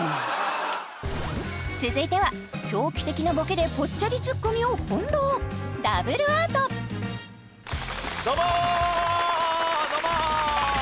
続いては狂気的なボケでぽっちゃりツッコミを翻弄どうもどうも！